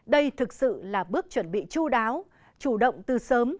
đây thực sự là bước chuẩn bị chú đáo chủ động từ sớm